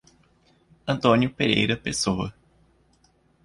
Antônio Pereira Pessoa